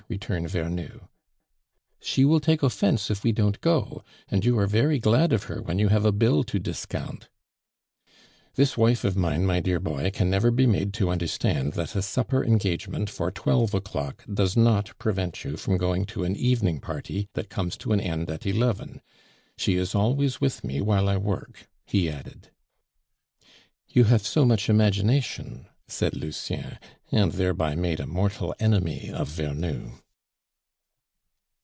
returned Vernou. "She will take offence if we don't go; and you are very glad of her when you have a bill to discount." "This wife of mine, my dear boy, can never be made to understand that a supper engagement for twelve o'clock does not prevent you from going to an evening party that comes to an end at eleven. She is always with me while I work," he added. "You have so much imagination!" said Lucien, and thereby made a mortal enemy of Vernou.